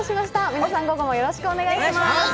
皆さん、午後もよろしくお願いします。